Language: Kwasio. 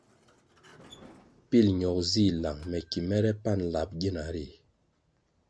Pil ñogo zih lang me ki mere pani lap gina ri.